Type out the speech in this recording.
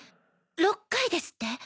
６回ですって？